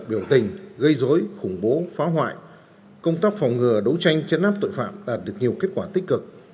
biểu tình gây dối khủng bố phá hoại công tác phòng ngừa đấu tranh chấn áp tội phạm đạt được nhiều kết quả tích cực